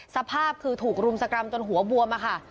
สภาพคือถูกรุมสกรรมจนหัวบวมค่ะ